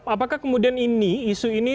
apakah kemudian ini isu ini